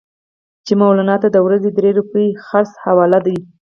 چې مولنا ته د ورځې درې روپۍ خرڅ حواله دي.